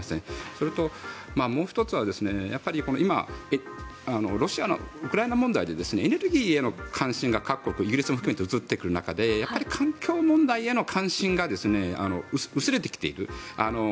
それと、もう１つは今、ロシアのウクライナ問題でエネルギーへの関心が各国、イギリスも含めて移っていく中でやっぱり環境問題への関心が薄れてきている。